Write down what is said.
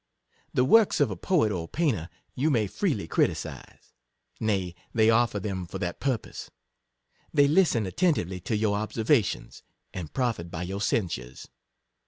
The works of a poet or painter you may freely criticise — nay, they offer them for that purpose — they listen attentively to your ob servations, and profit by your censures.